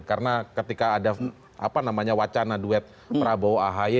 karena ketika ada apa namanya wacana duet prabowo ahayi